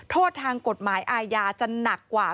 โทษทางกฎหมายอาญาจะหนักกว่า